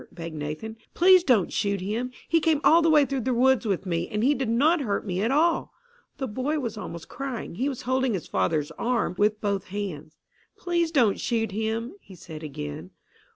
begged Nathan. "Please don't shoot him. He came all the way through the woods with me, and he did not hurt me at all." The boy was almost crying. He was holding his father's arm with both hands. "Please don't shoot him!" he said again.